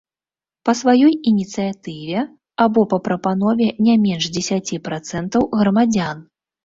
Па сваёй ініцыятыве або па прапанове не менш дзесяці працэнтаў грамадзян.